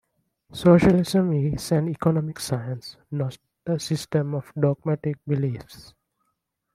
Socialism is an economic science, not a system of dogmatic beliefs.